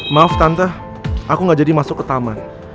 maaf tante aku gak jadi masuk ke taman